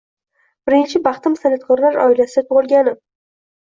Birinchi baxtim san’atkorlar oilasida tug‘ilganim